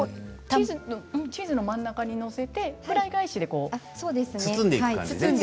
チーズの真ん中に載せてフライ返しで。